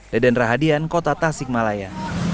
deden rahadian kota tasik malaya